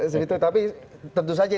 seperti itu tapi tentu saja